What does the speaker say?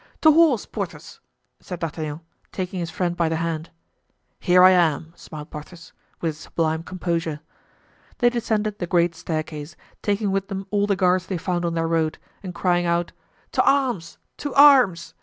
"To horse, Porthos!" said D'Artagnan, taking his friend by the hand. "Here I am," smiled Porthos, with his sublime composure. They descended the great staircase, taking with them all the guards they found on their road, and crying out, "To arms! To arms!"